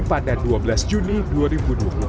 pada hari yang setelah tersangka menangkap korban